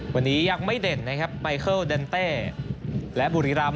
วันนี้ยังไม่เด่นนะครับไบเคิลเดนเต้และบุรีรำ